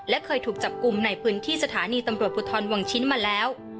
และเคยถูกจับกลุ่มในพื้นที่สถานีตำรวจภูทรวังชิ้นมาแล้ว